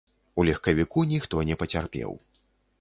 У легкавіку ніхто не пацярпеў.